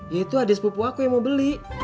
ya itu ades pupu aku yang mau beli